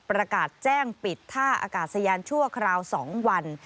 ประกาศแจ้งปิดท่าอากาศยานชั่วคราว๒วัน